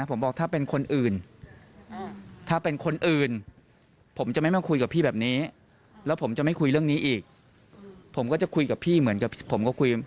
เหมือนกลางขออนุญาตนะคะเหมือนกลาง